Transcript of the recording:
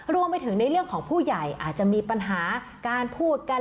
รวมไปถึงในเรื่องของผู้ใหญ่อาจจะมีปัญหาการพูดกัน